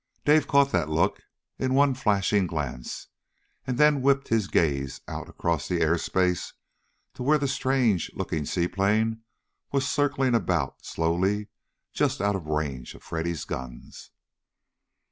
Dave caught that look in one flashing glance and then whipped his gaze out across the air space to where the strange looking seaplane was circling about slowly just out of range of Freddy's guns.